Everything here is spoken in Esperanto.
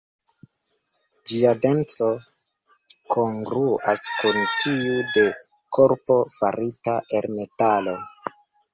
Ĝia denso kongruas kun tiu de korpo farita el metalo.